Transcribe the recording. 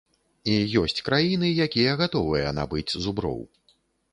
І ёсць краіны, якія гатовыя набыць зуброў.